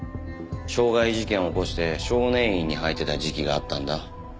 傷害事件を起こして少年院に入ってた時期があったんだ。